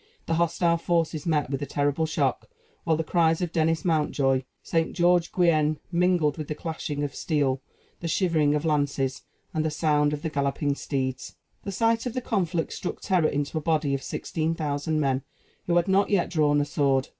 The hostile forces met with a terrible shock, while the cries of "Denis Mountjoye!" "St. George, Guienne!" mingled with the clashing of steel, the shivering of lances, and the sound of the galloping steeds. The sight of the conflict struck terror into a body of sixteen thousand men, who had not yet drawn a sword.